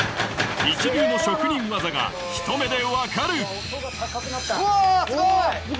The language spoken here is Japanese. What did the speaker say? ・一流の職人技がひと目でわかる‼